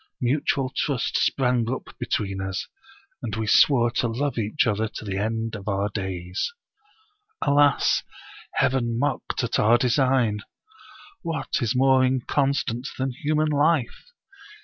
Mutual trust sprang up between us, and we swore to love each other to the end of our days. "Alas! Heaven mocked at our design! What is more inconstant than human life?